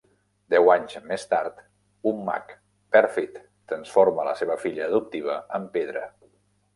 Deu anys més tard, un mag pèrfid transforma la seva filla adoptiva en pedra.